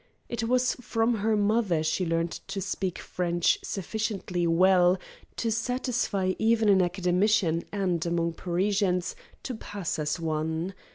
It was from her mother she learned to speak French sufficiently well to satisfy even an Academician and, among Parisians, to pass as one.